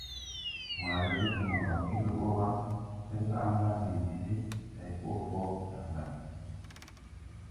Wããre joge mo raw ɛgre bɔ wa, werga a mbar nen ti se, day bod fɔ jar lay.